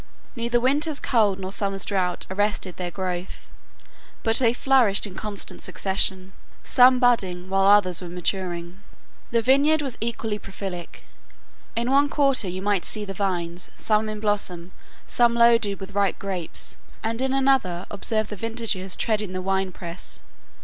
Neither winter's cold nor summer's drought arrested their growth, but they flourished in constant succession, some budding while others were maturing. The vineyard was equally prolific. In one quarter you might see the vines, some in blossom, some loaded with ripe grapes, and in another observe the vintagers treading the wine press.